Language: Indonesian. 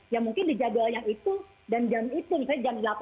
ya mungkin di jadwalnya itu dan jam itu misalnya jam delapan